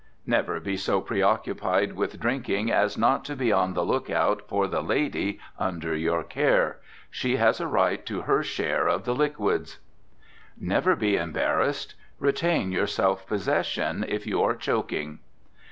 Never be so pre occupied with drinking as not to be on the look out for the lady under your care. She has a right to her share of the liquids. Never be embarrassed. Retain your self possession if you are choking.